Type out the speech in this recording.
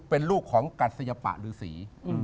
เป็นลูกของกัศยปะฤษี